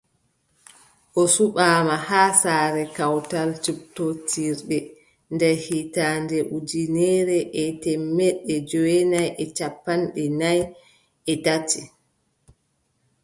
O suɓaama haa saare kawtal cuɓtootirɓe nder hitaande ujineere e teemeɗɗe joweenayi e cappanɗe nay e tati.